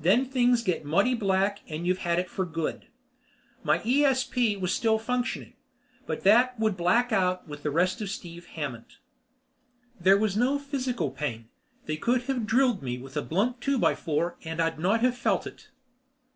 Then things get muddy black and you've had it for good. My esp was still functioning, but that would black out with the rest of Steve Hammond. There was no physical pain. They could have drilled me with a blunt two by four and I'd not have felt it.